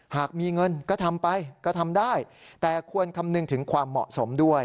หากมีเงินก็ทำไปก็ทำได้แต่ควรคำนึงถึงความเหมาะสมด้วย